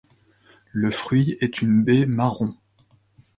Le fruit est une baie marron.